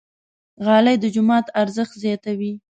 غالۍ د جومات ارزښت زیاتوي.